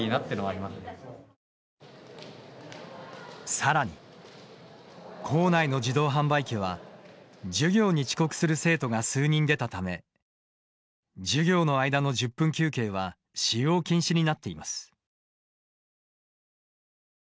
さらに校内の自動販売機は授業に遅刻する生徒が数人出たため授業の間の１０分休憩は使用禁止になっています。